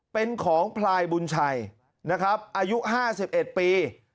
เป็นของพลายบุญชัยนะครับอายุ๕๑ปี